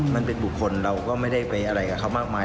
มันเป็นบุคคลเราก็ไม่ได้ไปอะไรกับเขามากมาย